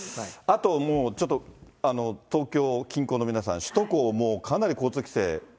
あともう、東京近郊の皆さん、首都高もかなり交通規制。